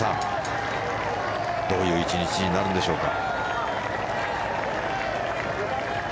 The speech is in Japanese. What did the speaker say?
どういう１日になるんでしょうか。